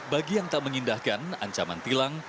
bagi yang tak mengindahkan ancaman tilang